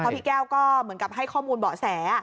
พี่แก้วก็เหมือนกับให้ข้อมูลเบาะแส